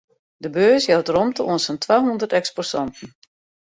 De beurs jout romte oan sa'n twahûndert eksposanten.